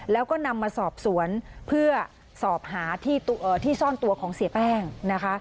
แล้วก็นำมาสอบสวนเพื่อสอบหาที่ซ่อนตัวของเสียแป้งนะคะ